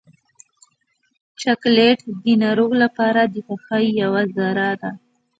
چاکلېټ د ناروغ لپاره د خوښۍ یوه ذره ده.